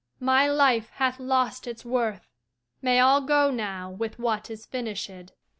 My life hath lost its worth. May all go now with what is finishèd!